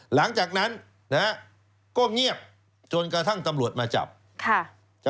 หลังจากนั้นนะฮะก็เงียบจนกระทั่งตำรวจมาจับ